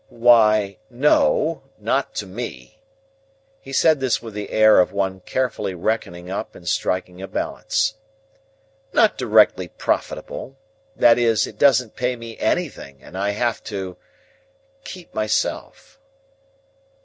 "Why, n no; not to me." He said this with the air of one carefully reckoning up and striking a balance. "Not directly profitable. That is, it doesn't pay me anything, and I have to—keep myself."